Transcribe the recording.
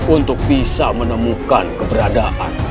untuk bisa menemukan keberadaan